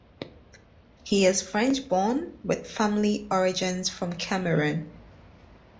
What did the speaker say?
He is French borne with family origins from Cameroon.